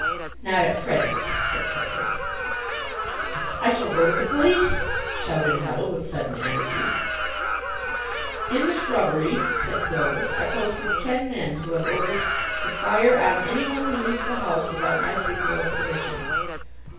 "Not at present," said Clovis. "I shall go to the police," shouted Huddle with sudden energy. "In the shrubbery," said Clovis, "are posted ten men who have orders to fire on anyone who leaves the house without my signal of permission.